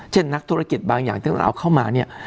เช่นนักธุรกิจบางอย่างถ้าจะต้องเอาเข้ามาเนี่ย